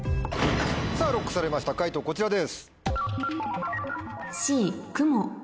さぁＬＯＣＫされました解答こちらです。